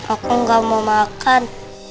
aku ga mau makan